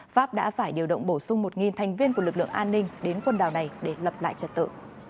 pháp đã phải điều động bổ sung một thành viên của lực lượng an ninh đến quân đảo này để lập lại trật tự